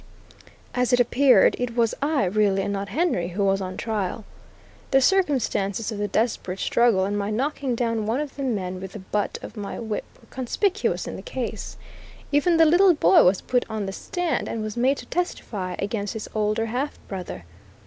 As it appeared, it was I really, and not Henry, who was on trial. The circumstances of the desperate struggle, and my knocking down one of the men with the butt of my whip, were conspicuous in the case. Even the little boy was put on the stand, and was made to testify against his older half brother.